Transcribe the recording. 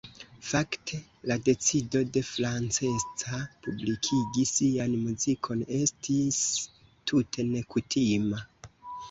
Fakte la decido de Francesca publikigi sian muzikon estis tute nekutima.